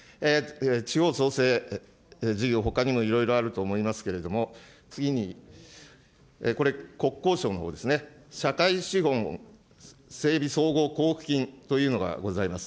地方創生事業、ほかにもいろいろあると思いますけれども、次にこれ、国交省のほうですね、社会資本整備総合交付金というのがございます。